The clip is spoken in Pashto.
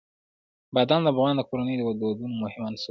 بادام د افغان کورنیو د دودونو مهم عنصر دی.